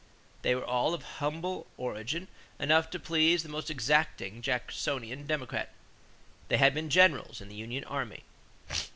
They were all of origin humble enough to please the most exacting Jacksonian Democrat. They had been generals in the union army.